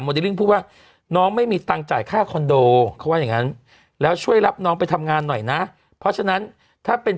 ลิ่งพูดว่าน้องไม่มีตังค์จ่ายค่าคอนโดเขาว่าอย่างนั้นแล้วช่วยรับน้องไปทำงานหน่อยนะเพราะฉะนั้นถ้าเป็น